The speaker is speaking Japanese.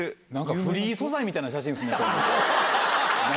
フリー素材みたいな写真です何？